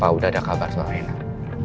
papa udah ada kabar soal renang